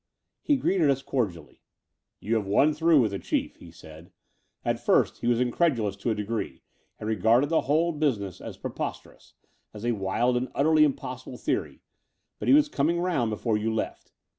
He greeted us cordially. "You have won through with the Chief," he said. "At first he was incredtdous to a degree, and regarded the whole business as preposterous, as a wild and utterly impossible theory : but he was coming round before you left.